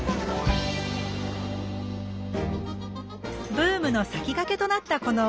ブームの先駆けとなったこのお店。